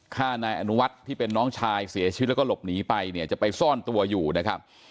ฆ่านายอนุวัฒน์ที่เป็นน้องชายเสียชีวิตแล้วก็หลบหนีไปเนี่ยจะไปซ่อนตัวอยู่นะครับ